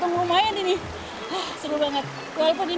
walaupun ini permainan tradisional tapi ternyata bikin deg degan